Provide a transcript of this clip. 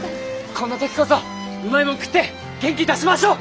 こんな時こそうまいもん食って元気出しましょう！